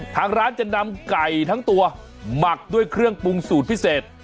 ทางร้านจะนำไก่ทั้งตัวหมักด้วยเครื่องปรุงสูตรพิเศษ